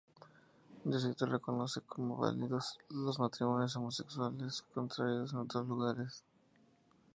El Distrito reconoce como válidos los matrimonios homosexuales contraídos en otros lugares.